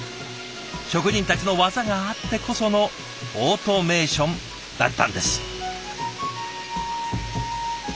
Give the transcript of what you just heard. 職人たちの技があってこそのオートメーションだったんです。